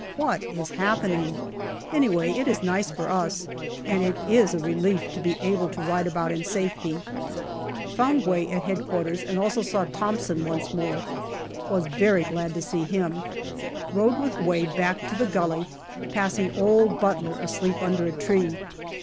What is happening ? Anyway, it is nice for us, and it is a relief to be able to ride about in safety. Found Way at H.Q., and also saw Thomson once more. Was very glad to see him. Rode with Way back to the gully, passing old Butler asleep under a tree.